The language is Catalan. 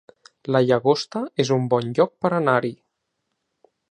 La Llagosta es un bon lloc per anar-hi